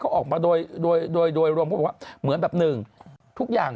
เขาออกมาโดยโดยโดยโดยรวมพูดว่าเหมือนแบบนึงทุกอย่าง